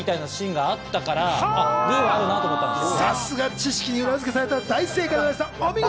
知識に裏付けされた大正解でした。